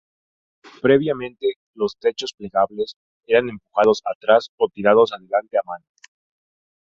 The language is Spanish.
Previamente, los techos plegables eran empujados atrás o tirados adelante a mano.